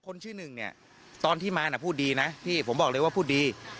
ชื่อหนึ่งเนี่ยตอนที่มาน่ะพูดดีนะพี่ผมบอกเลยว่าพูดดี